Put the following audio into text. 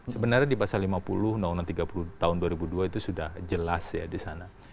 sebenarnya di pasal lima puluh tahun dua ribu dua itu sudah jelas ya di sana